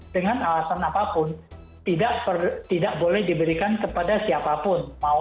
dengan alasan apapun tidak boleh diberikan kepada siapapun